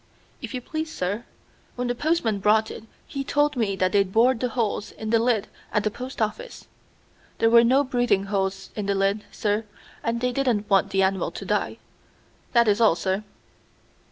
"If you please, sir, when the postman brought it he told me that they'd bored the holes in the lid at the post office. There were no breathin' holes in the lid, sir, and they didn't want the animal to die. That is all, sir."